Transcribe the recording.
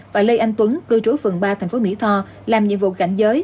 và lê anh tuấn cư trú phường ba thành phố mỹ tho làm nhiệm vụ cảnh giới